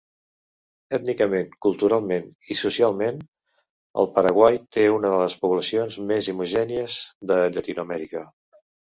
Ètnicament, culturalment i socialment, el Paraguai té una de les poblacions més homogènies de Llatinoamèrica.